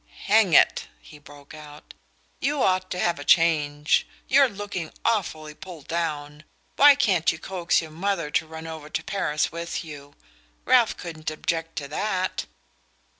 "Hang it," he broke out, "you ought to have a change you're looking awfully pulled down. Why can't you coax your mother to run over to Paris with you? Ralph couldn't object to that."